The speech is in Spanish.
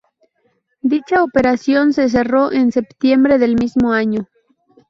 Dicha operación se cerró en septiembre del mismo año.